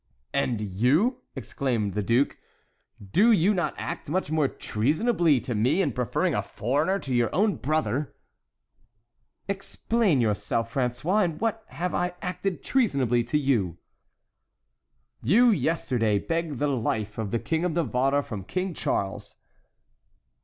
"And you!" exclaimed the duke, "do you not act much more treasonably to me in preferring a foreigner to your own brother?" "Explain yourself, François! In what have I acted treasonably to you?" "You yesterday begged the life of the King of Navarre from King Charles."